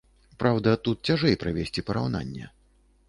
Праўда, тут цяжэй правесці параўнанне.